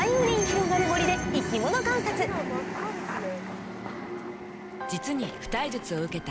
目が真っ赤ですね。